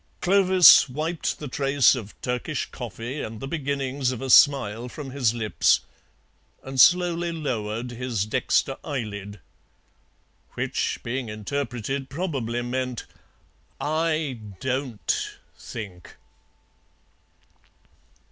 Clovis wiped the trace of Turkish coffee and the beginnings of a smile from his lips, and slowly lowered his dexter eyelid. Which, being interpreted, probably meant, "I DON'T think!"